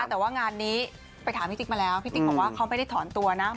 แต่ว่างานนี้ไปถามพี่ติ๊กมาแล้วพี่ติ๊กบอกว่าเขาไม่ได้ถอนตัวนะ